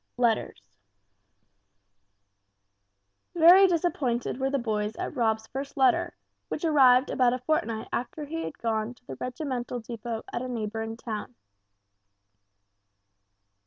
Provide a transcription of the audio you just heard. XII LETTERS Very disappointed were the boys at Rob's first letter, which arrived about a fortnight after he had gone to the regimental depot at a neighboring town.